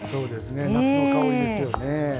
夏の香りですよね。